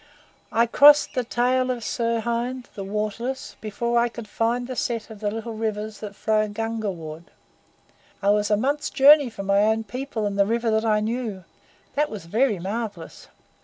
I crossed the tail of Sirhind, the waterless, before I could find the set of the little rivers that flow Gungaward. I was a month's journey from my own people and the river that I knew. That was very marvellous!"